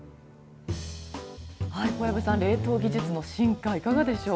小籔さん、冷凍技術の進化、いかがでしょう。